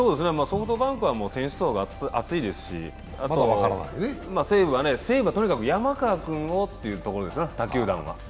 ソフトバンクは選手層が厚いですし西武はとにかく山川君をというとこですね、他球団は。